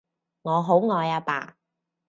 我好愛阿爸